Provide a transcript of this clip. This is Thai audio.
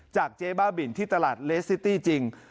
จากเจบ้าบิลที่ตลาดเลสต์ซิตี้จริง